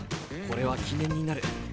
これは記念になる。